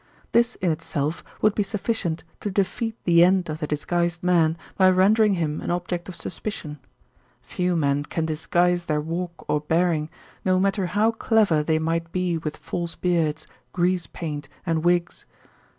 This in itself would be sufficient to defeat the end of the disguised man by rendering him an object of suspicion. Few men can disguise their walk or bearing, no matter how clever they might be with false beards, grease paint and wigs.